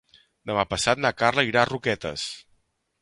Demà passat na Carla irà a Roquetes.